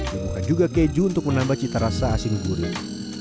kemudian juga keju untuk menambah cita rasa asin gurih